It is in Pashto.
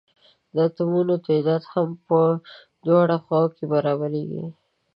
د اتومونو تعداد هم په دواړو خواؤ کې برابریږي.